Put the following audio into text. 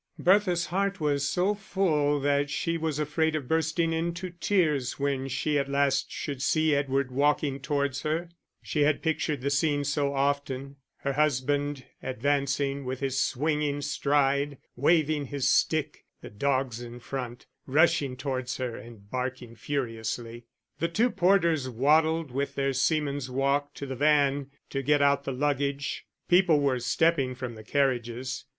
Bertha's heart was so full that she was afraid of bursting into tears when she at last she should see Edward walking towards her; she had pictured the scene so often, her husband advancing with his swinging stride, waving his stick, the dogs in front, rushing towards her and barking furiously. The two porters waddled with their seaman's walk to the van to get out the luggage; people were stepping from the carriages.